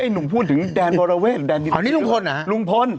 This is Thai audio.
ไอ้หนุ่มพูดถึงแดนวรเวศอ๋อนี่ลุงพลนะลุงพล